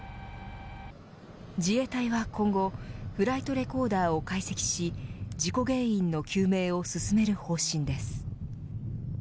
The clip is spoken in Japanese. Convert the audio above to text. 自衛隊は今後フライトレコーダーを解析し事故原因の究明を進める方針です。